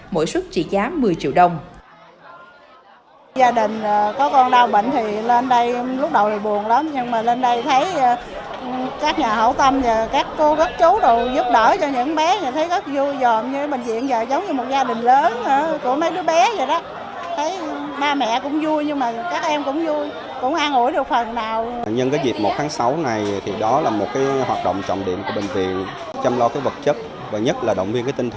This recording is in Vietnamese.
mỗi xuất trị giá một mươi triệu đồng